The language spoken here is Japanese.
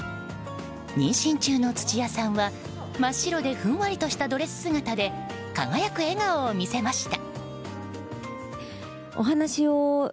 妊娠中の土屋さんは真っ白でふんわりとしたドレス姿で輝く笑顔を見せました。